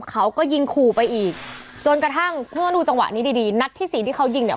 เขาก็ยิงขู่ไปอีกจนกระทั่งคุณผู้ชมดูจังหวะนี้ดีดีนัดที่สี่ที่เขายิงเนี่ย